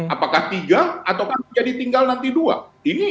apakah tiga atau kan jadi tinggal nanti dua